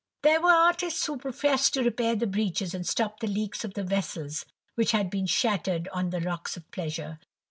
There were artists who professed to repair the breaches and stop the leaks of the vessels which had been shattered on the rocks of Pleasure.